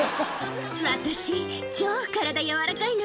「私超体柔らかいの」